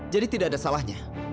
jadi tidak ada salahnya